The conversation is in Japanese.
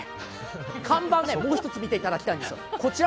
看板、もう一つ見ていただきたいんです。